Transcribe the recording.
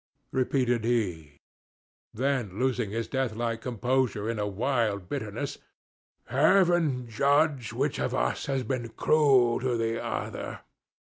repeated he; then, losing his deathlike composure in a wild bitterness, "Heaven judge which of us has been cruel to the other!